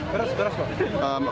keras keras pak